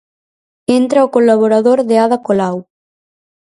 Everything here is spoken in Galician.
Entra o colaborador de Ada Colau.